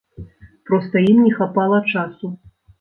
Проста ім не хапала часу.